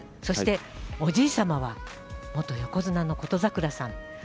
そしておじいさまは元横綱の琴櫻さん。